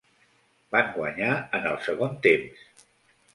Van guanyar en el segon temps.